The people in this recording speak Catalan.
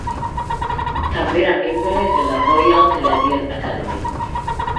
També era membre de la Royal Canadian Academy.